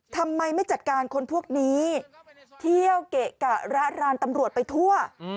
ทำไมไม่จัดการคนพวกนี้เที่ยวเกะกะระรานตำรวจไปทั่ว